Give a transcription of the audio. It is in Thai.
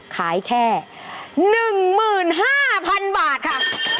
ขายแค่หนึ่งหมื่นห้าพันบาทค่ะ